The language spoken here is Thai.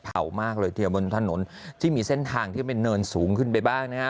มากเลยทีเดียวบนถนนที่มีเส้นทางที่เป็นเนินสูงขึ้นไปบ้างนะฮะ